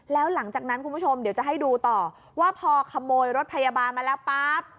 แล้วหลังจากนั้นคุณผู้ชมเดี๋ยวจะให้ดูต่อว่าพอขโมยรถพยาบาลมาแล้วปั๊บ